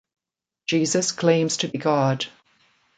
Jesus claims to be God